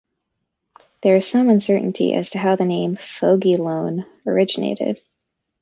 There is some uncertainty as to how the name Foggieloan originated.